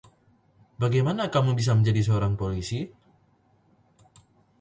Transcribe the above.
Bagaimana kau bisa menjadi seorang polisi?